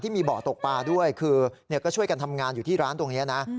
มีเบาะตกปลาด้วยคือก็ช่วยกันทำงานอยู่ที่ร้านตรงนี้นะ